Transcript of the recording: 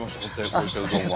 こういったうどんは。